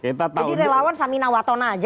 jadi relawan samina watona saja